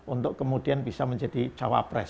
untuk kemudian bisa menjadi cawapres